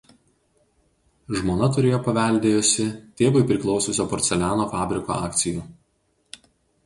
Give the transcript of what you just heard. Žmona turėjo paveldėjusi tėvui priklausiusio porceliano fabriko akcijų.